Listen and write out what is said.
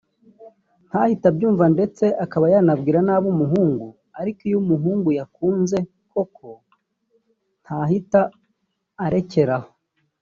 ntahite abyumva ndetse akaba yanabwira nabi umuhungu ariko iyo umuhungu yakunze koko ntahita arekera aho